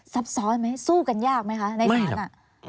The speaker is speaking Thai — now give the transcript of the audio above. ซับซ้อนไหมสู้กันยากไหมคะในศาล